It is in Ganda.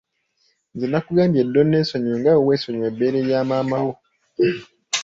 Nze nakugambye dda onneesonyiwe nga bwe weesonyiwa ebbeere lya maama wo.